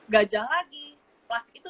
gajah lagi plastik itu